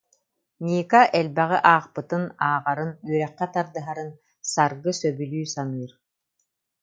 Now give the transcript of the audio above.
Ника элбэҕи аахпытын, ааҕарын, үөрэххэ тардыһарын Саргы сөбүлүү саныыр